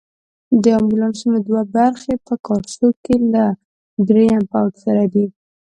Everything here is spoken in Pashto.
د امبولانسونو دوه برخې په کارسو کې له دریم پوځ سره دي.